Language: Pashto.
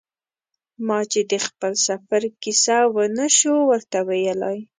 ما چې د خپل سفر کیسه و نه شو ورته ویلای.